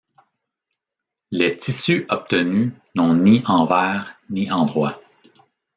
Les tissus obtenus n'ont ni envers ni endroit.